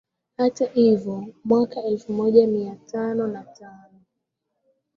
Hata hivyo mwaka elfu moja mia tano na tano